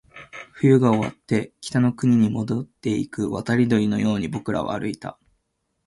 冬が終わって、北の国に戻っていく渡り鳥のように僕らは歩いた